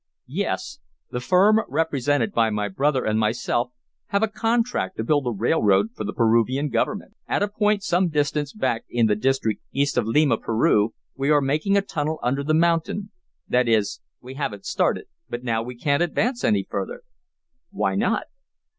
"Yes. The firm represented by my brother and myself have a contract to build a railroad for the Peruvian government. At a point some distance back in the district east of Lima, Peru, we are making a tunnel under the mountain. That is, we have it started, but now we can't advance any further." "Why not?"